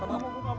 aku gak mau